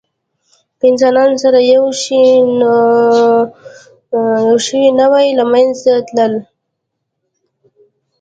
که انسانان سره یو شوي نه وی، له منځه تلل.